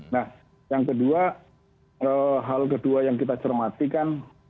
nah yang kedua hal kedua yang kita cermatikan